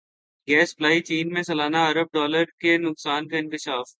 gas supply chain میں سالانہ ارب ڈالر کے نقصان کا انکشاف